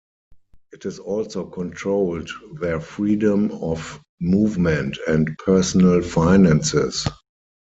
It also controlled their freedom of movement and personal finances.